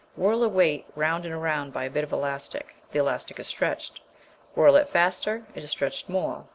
Whirl a weight round and round by a bit of elastic, the elastic is stretched; whirl it faster, it is stretched more.